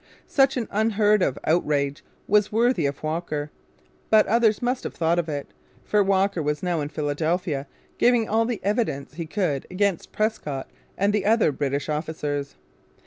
Such an unheard of outrage was worthy of Walker. But others must have thought of it; for Walker was now in Philadelphia giving all the evidence he could against Prescott and other British officers.